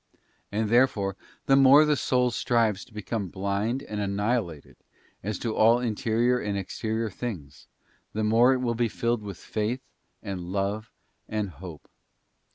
And therefore the more the soul strives to become blind and annihilated as to all interior and exterior things, the more it will be filled with Faith and Love and Hope.